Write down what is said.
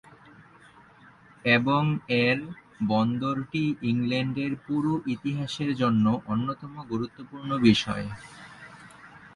এবং এর বন্দরটি ইংল্যান্ডের পুরো ইতিহাসের জন্য অন্যতম গুরুত্বপূর্ণ বিষয়।